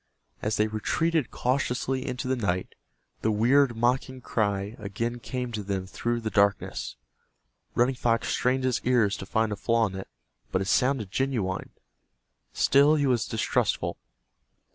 As they retreated cautiously into the night, the weird, mocking cry again came to them through the darkness. Running Fox strained his ears to find a flaw in it, but it sounded genuine. Still he was distrustful.